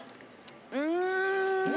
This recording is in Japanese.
うん！